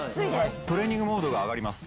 トレーニングモードが上がります。